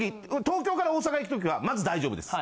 東京から大阪行くときはまず大丈夫です！